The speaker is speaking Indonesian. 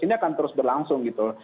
ini akan terus berlangsung gitu